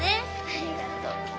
ありがとう。